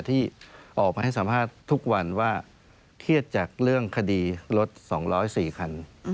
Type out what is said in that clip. ที่ออกมาให้สัมภาษณ์ทุกวันว่าเครียดจากเรื่องคดีรถ๒๐๔คัน